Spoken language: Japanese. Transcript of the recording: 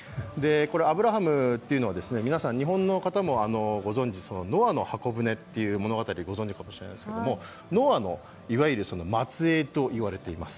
アブラハムというのは皆さん日本の方もご存じノアの箱舟という物語ご存じかもしれませんけどノアの末裔と言われています。